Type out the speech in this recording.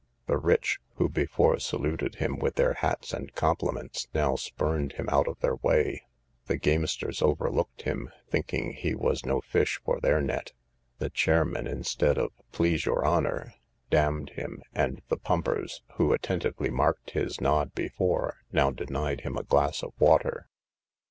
The rich, who before saluted him with their hats and compliments, now spurned him out of their way; the gamesters overlooked him, thinking he was no fish for their net; the chairmen, instead of Please your honour, d d him; and the pumpers, who attentively marked his nod before, now denied him a glass of water.